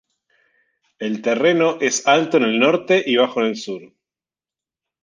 El terreno es alto en el norte y bajo en el sur.